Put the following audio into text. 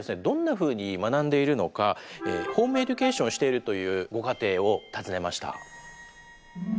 どんなふうに学んでいるのかホームエデュケーションをしているというご家庭を訪ねました。